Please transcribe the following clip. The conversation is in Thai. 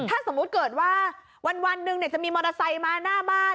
ถ้าสมมุติเกิดว่าวันหนึ่งจะมีมอเตอร์ไซค์มาหน้าบ้าน